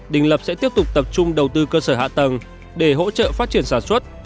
đình lập sẽ tiếp tục tập trung đầu tư cơ sở hạ tầng để hỗ trợ phát triển sản xuất